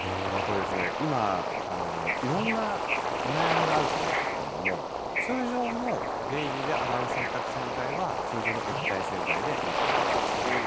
今、色んなお悩みがあると思うんですけれども通常のデイリーで洗う洗濯洗剤は通常の液体洗剤でいいと思います。